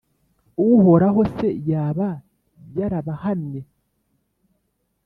Uhoraho se yaba yarabahannye,